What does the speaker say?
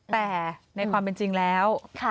แต่ในความเป็นจริงแล้ว